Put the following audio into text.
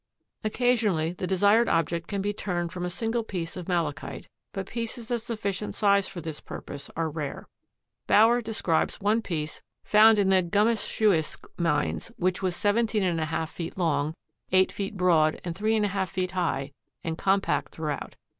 Occasionally the desired object can be turned from a single piece of malachite, but pieces of sufficient size for this purpose are rare. Bauer describes one piece found in the Gumeschewsk mines which was 17½ feet long, 8 feet broad and 3½ feet high and compact throughout.